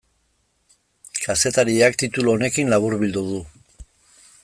Kazetariak titulu honekin laburbildu du.